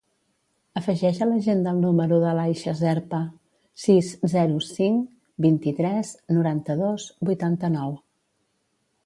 Afegeix a l'agenda el número de l'Aisha Zerpa: sis, zero, cinc, vint-i-tres, noranta-dos, vuitanta-nou.